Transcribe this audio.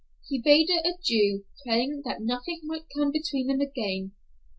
He bade her adieu, praying that nothing might come between them again.